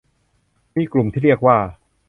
มีกลุ่มที่เรียกว่า